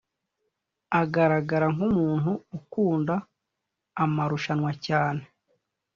Agaragara nkumuntu ukunda amamrushanwa cyane